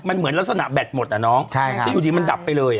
มันเหมือนลักษณะแบตหมดอ่ะน้องที่อยู่ดีมันดับไปเลย